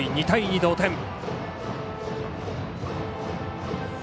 ２対２、同点。